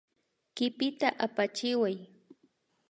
Kipita apachiway